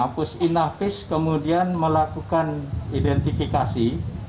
pusinahvis kemudian melakukan identifikasi